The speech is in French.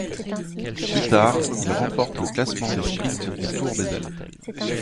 Plus tard, il remporte le classement des sprints du Tour des Alpes.